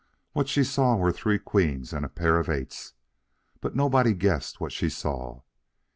What she saw were three queens and a pair of eights, but nobody guessed what she saw.